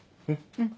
うん。